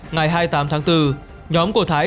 ngày hai mươi tám tháng bốn nhóm của thái